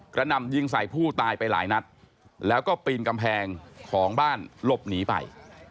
หนำยิงใส่ผู้ตายไปหลายนัดแล้วก็ปีนกำแพงของบ้านหลบหนีไป